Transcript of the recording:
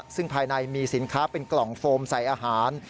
ซึ่งภายในมีสินค้าเป็นกล่องโฟมใส่อาหาร